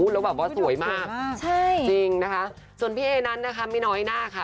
แล้วแบบว่าสวยมากจริงนะคะส่วนพี่เอนั้นนะคะไม่น้อยหน้าค่ะ